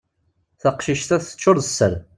Taqcict-a teččur d sser.